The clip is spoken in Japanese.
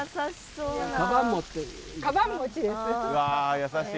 うわ優しい。